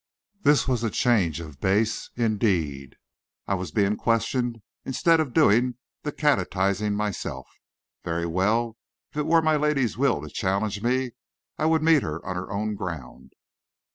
This was a change of base, indeed. I was being questioned instead of doing the catechising myself. Very well; if it were my lady's will to challenge me, I would meet her on her own ground.